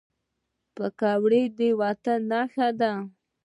پکورې د وطن نښه ده